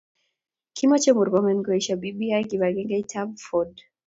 Kimoche Murkomen koesio bbi kibangengeit ab Ford